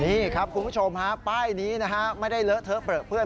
นี่ครับคุณผู้ชมฮะป้ายนี้นะฮะไม่ได้เลอะเทอะเปลือเพื่อน